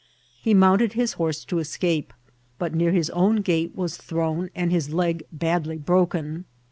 He mounted his horse to escape, but near his own gate was thrown, and his leg badly broken.